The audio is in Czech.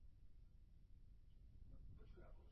Jednodenní jsou většinou nižších obtížností.